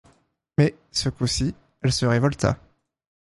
Mais, ce coup-ci, elle se révolta.